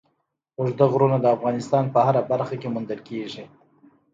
اوږده غرونه د افغانستان په هره برخه کې موندل کېږي.